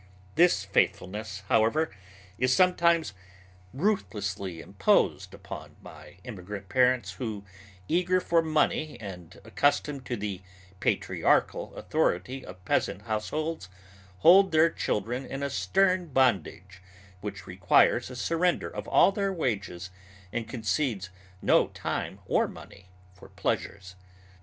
This faithfulness, however, is sometimes ruthlessly imposed upon by immigrant parents who, eager for money and accustomed to the patriarchal authority of peasant households, hold their children in a stern bondage which requires a surrender of all their wages and concedes no time or money for pleasures.